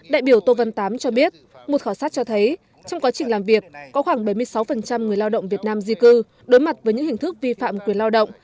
đại biểu tô văn tám cho biết một khảo sát cho thấy trong quá trình làm việc có khoảng bảy mươi sáu người lao động việt nam di cư đối mặt với những hình thức vi phạm quyền lao động